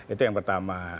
itu yang pertama